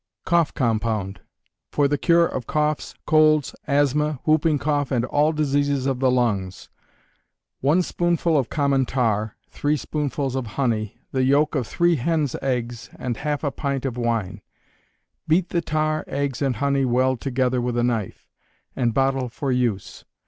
Cough Compound. For the cure of coughs, colds, asthma, whooping cough and all diseases of the lungs; One spoonful of common tar, three spoonfuls of honey, the yolk of three hen's eggs, and half a pint of wine; beat the tar, eggs and honey well together with a knife, and bottle for use.